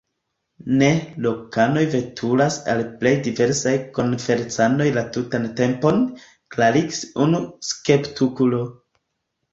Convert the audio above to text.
Ne, lokanoj veturas al plej diversaj konferencoj la tutan tempon, klarigis unu skeptikulo.